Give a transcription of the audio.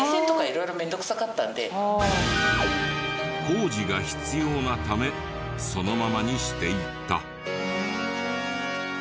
工事が必要なためそのままにしていた。